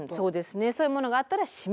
そういうものがあったら閉めると。